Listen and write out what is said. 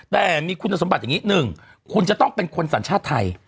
แต่มีคุณสมบัติอย่างนี้๑คุณจะต้องเป็นคนสัญชาติไทย